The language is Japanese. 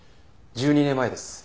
１２年前です。